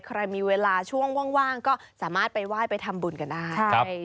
ใครมีเวลาช่วงว่างก็สามารถไปไหว้ไปทำบุญกันได้